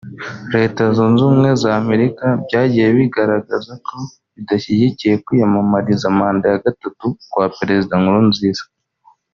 Leta Zunze Ubumwe za Amerika byagiye bigaragaza ko bidashyigikiye kwiyamamariza manda ya gatatu kwa Perezida Nkurunziza